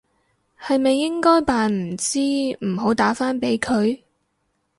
係咪應該扮唔知唔好打返俾佢？